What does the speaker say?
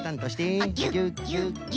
ギュッギュッギュ。